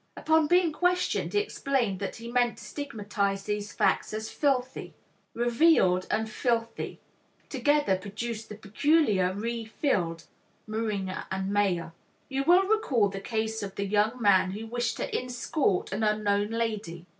Upon being questioned, he explained that he meant to stigmatize these facts as "filthy." "Revealed" and "filthy" together produced the peculiar "re filled." (Meringer and Mayer.) You will recall the case of the young man who wished to "inscort" an unknown lady.